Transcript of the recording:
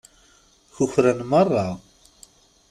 Kukran merra.